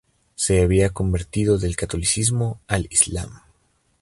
Se había convertido del catolicismo al islam.